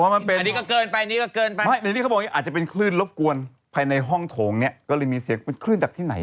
มันเป็นคลื่นตีนรึเปล่า